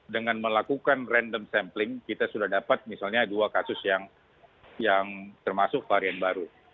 dengan melakukan random sampling kita sudah dapat misalnya dua kasus yang termasuk varian baru